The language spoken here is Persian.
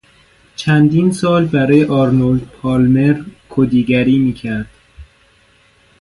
چندین سال برای آرنولد پالمر کدیگری میکرد.